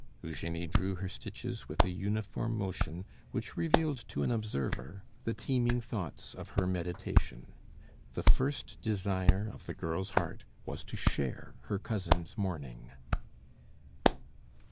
Eugenie drew her stitches with a uniform motion which revealed to an observer the teeming thoughts of her meditation. The first desire of the girl's heart was to share her cousin's mourning.